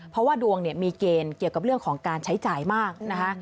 เพราะว่าดวงเนี่ยมีเกณฑ์เกี่ยวกับเรื่องของการใช้จ่ายมากนะคะ